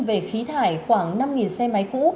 về khí thải khoảng năm xe máy cũ